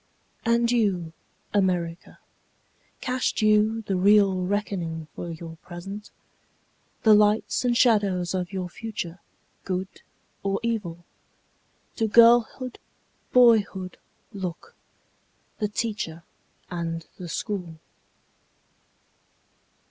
And you America, Cast you the real reckoning for your present? The lights and shadows of your future, good or evil? To girlhood, boyhood look, the teacher and the school.